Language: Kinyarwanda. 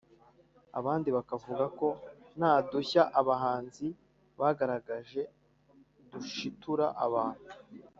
abandi bakavuga ko nta dushya abahanzi bagaragaje dushitura abantu